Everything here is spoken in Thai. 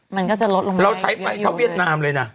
มันก็จะลดลงเราใช้ไปเท่าเวียดนามเลยนะ